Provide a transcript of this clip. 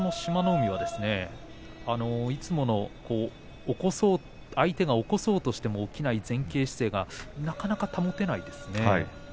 海はいつもの相手が起こそうとしても起きない前傾姿勢がなかなか保てませんね。